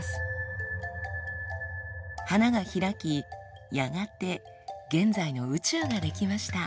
花が開きやがて現在の宇宙が出来ました。